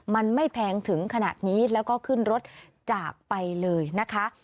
มันไม่แพงถึงขนาดนี้แล้วก็ขึ้นรถจากไปเลยนะคะ